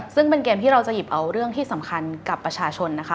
ซึ่งเป็นเกมที่เราจะหยิบเอาเรื่องที่สำคัญกับประชาชนนะคะ